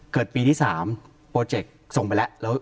เกิดปีที่๓โปรเจกต์ส่งไปแล้ว